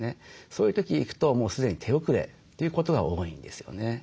そういう時行くともう既に手遅れということが多いんですよね。